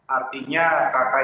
artinya kk yang palsu